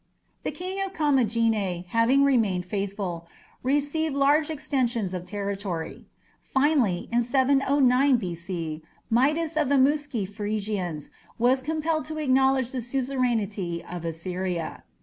The king of Commagene, having remained faithful, received large extensions of territory. Finally in 709 B.C. Midas of the Muski Phrygians was compelled to acknowledge the suzerainty of Assyria.